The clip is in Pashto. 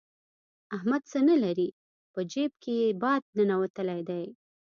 احمد څه نه لري؛ په جېب کې يې باد ننوتلی دی.